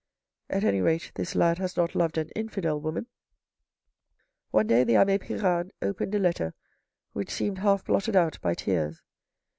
" At any rate this lad has not loved an infidel woman." One day the abbe Pirard opened a letter which seemed half blotted out by tears.